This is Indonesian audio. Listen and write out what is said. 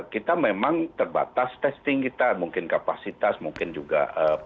kita memang terbatas testing kita mungkin kapasitas mungkin juga